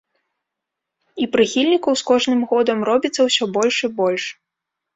І прыхільнікаў з кожным годам робіцца ўсё больш і больш.